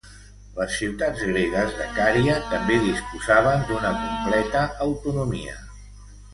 Les ciutats gregues de Cària també disposaven d'una completa autonomia.